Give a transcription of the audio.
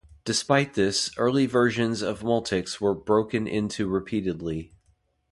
Despite this, early versions of Multics were broken into repeatedly.